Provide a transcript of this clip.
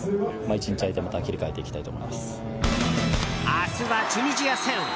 明日はチュニジア戦。